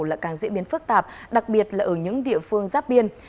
lại càng diễn biến phức tạp đặc biệt là ở những địa phương giáp biên